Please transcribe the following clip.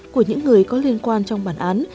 của những người có liên quan trong bản án